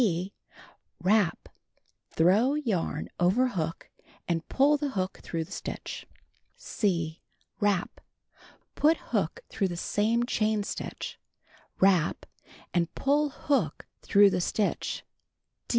(6) Wrap (throw yarn over hook) and pull the hook through the stitch. (c) Wrap. Put hook through the same chain stitch: Wrap, and pull hook through the stitch.